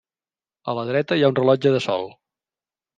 A la dreta hi ha un rellotge de sol.